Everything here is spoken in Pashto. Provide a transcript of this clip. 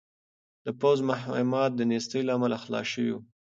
د پوځ مهمات د نېستۍ له امله خلاص شوي وو.